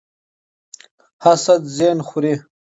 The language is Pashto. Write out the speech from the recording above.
حسد ذهن خوري